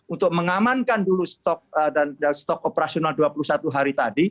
untuk mengamankan dulu stok operasional dua puluh satu hari